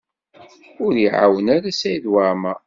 Ur y-iɛawen ara Saɛid Waɛmaṛ.